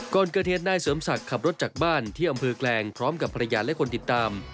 ก่อนเกิดเหตุนายเสริมศักดิ์ขับรถจากบ้านที่อำเภอแกลงพร้อมกับภรรยาและคนติดตาม